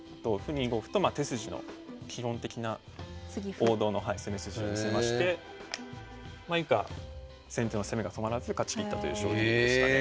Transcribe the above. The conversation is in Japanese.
２五歩と手筋の基本的な王道の攻め筋を見せまして以下先手の攻めが止まらず勝ちきったという将棋でしたね。